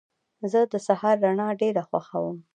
زه د سهار رڼا ډېره خوښوم.